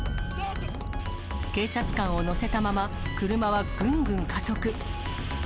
警察官を乗せたまま、車はぐんぐん加速。